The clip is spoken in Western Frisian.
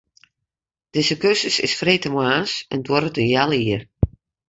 Dizze kursus is freedtemoarns en duorret in heal jier.